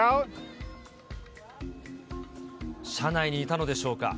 車内にいたのでしょうか。